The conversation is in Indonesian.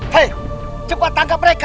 hei coba tangkap mereka